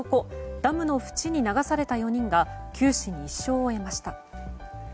ダムの縁に流された４人が九死に一生を得ました。